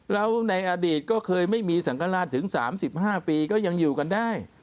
แล้วในอดีตก็เคยไม่มีสังฆราชถึง๓๕ปีก็ยังอยู่กันได้